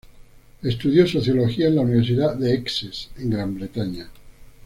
Estudió sociología en la Universidad de Essex en Gran Bretaña.